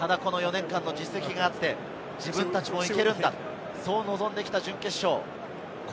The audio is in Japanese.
ただこの４年間の実績があって自分たちもいけるんだ、そう望んできた準決勝。